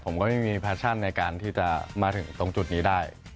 ผมก็ไม่มีแฟชั่นในการที่จะมาถึงตรงจุดนี้ได้